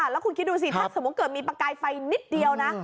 แล้วคุณคิดดูสิถ้าสมมุติเกิดมีประกายไฟนิดเดียวนะ